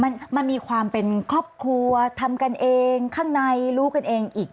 มันมันมีความเป็นครอบครัวทำกันเองข้างในรู้กันเองอีก